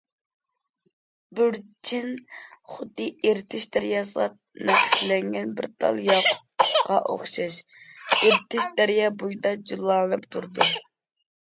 بۇرچىن خۇددى ئېرتىش دەرياسىغا نەقىشلەنگەن بىر تال ياقۇتقا ئوخشاش، ئېرتىش دەريا بويىدا جۇلالىنىپ تۇرىدۇ.